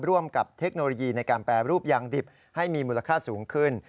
ร่วมกับเทคโนโลยีในการแปรรูปยางดิบให้มีมูลค่าสูงขึ้น